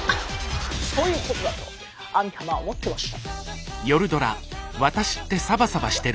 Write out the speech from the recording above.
そういうことだと網浜思ってました。